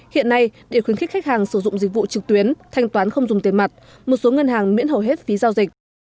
hiện nay để khuyến khích khách hàng sử dụng dịch vụ trực tuyến thanh toán không dùng tiền mặt một số ngân hàng miễn hầu hết phí giao dịch